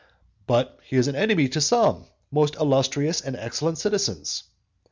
"But he is an enemy to some most illustrious and excellent citizens."